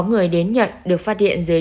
người đến nhận được phát hiện dưới